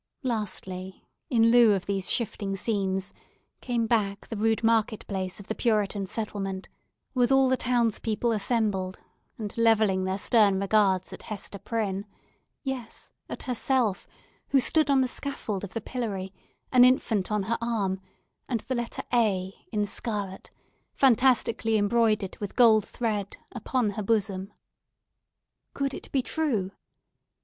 Lastly, in lieu of these shifting scenes, came back the rude market place of the Puritan settlement, with all the townspeople assembled, and levelling their stern regards at Hester Prynne—yes, at herself—who stood on the scaffold of the pillory, an infant on her arm, and the letter A, in scarlet, fantastically embroidered with gold thread, upon her bosom. Could it be true?